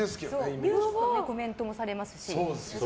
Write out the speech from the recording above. ニュースのコメントもされますし。